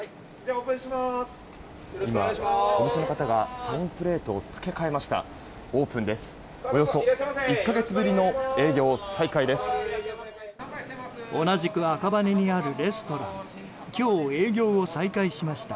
今、お店の方がサインプレートを付け替えました。